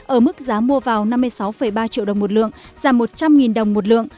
ở mức giá mua vào năm mươi sáu ba triệu đồng một lượng giảm một trăm linh đồng một lượng